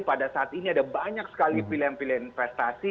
pada saat ini ada banyak sekali pilihan pilihan investasi